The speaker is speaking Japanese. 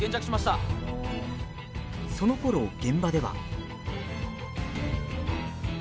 そのころ、現場では。